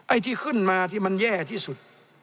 ไอ้ที่ขึ้นมาที่มันแย่ที่สุด